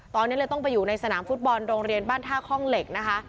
ตอนนี้เลยต้องไปอยู่ในสนามฟุตบอลโรงเรียนบ้านท่าคล่องเหล็กนะคะ